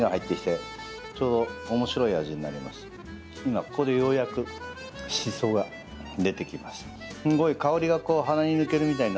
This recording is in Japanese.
今、ここでようやくしそが出てきます。